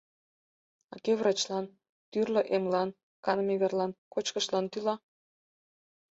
А кӧ врачлан, тӱрлӧ эмлан, каныме верлан, кочкышлан тӱла?